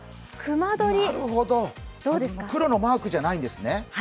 なるほど、黒のマークじゃないんですね。